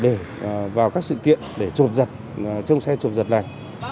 để vào các sự kiện để trộm giật trong xe trộm giật này